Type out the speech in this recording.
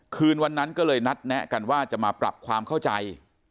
คืนวันนั้นก็เลยนัดแนะกันว่าจะมาปรับความเข้าใจ